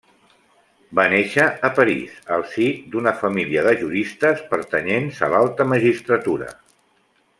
Va néixer a París, al si d'una família de juristes pertanyents a l'alta magistratura.